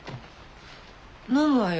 飲むわよ。